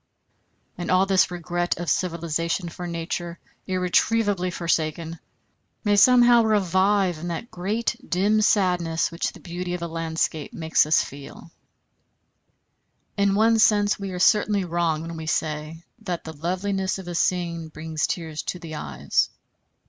And all this regret of civilization for Nature irretrievably forsaken, may somehow revive in that great soft dim sadness which the beauty of a landscape makes us feel. In one sense we are certainly wrong when we say that the loveliness of a scene brings tears to the eyes.